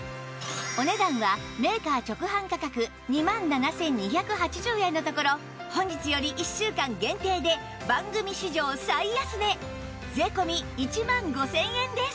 お値段はメーカー直販価格２万７２８０円のところ本日より１週間限定で番組史上最安値税込１万５０００円です